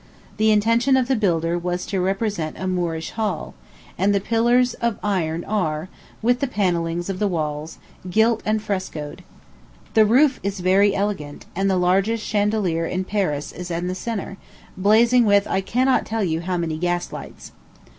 The intention of the builder was to represent a Moorish hall; and the pillars of iron are, with the panellings of the walls, gilt and frescoed. The roof is very elegant, and the largest chandelier in Paris is in the centre, blazing with I cannot tell you how many gas lights.